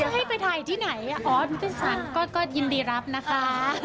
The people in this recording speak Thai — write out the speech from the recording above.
ถ้าให้ไปถ่ายที่ไหนก็ยินดีรับนะคะ